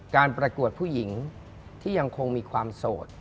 การประกวดผู้หญิงที่ยังคงมีความโสด